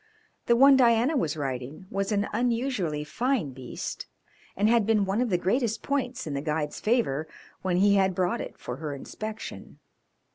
The one Diana was riding was an unusually fine beast, and had been one of the greatest points in the guide's favour when he had brought it for her inspection.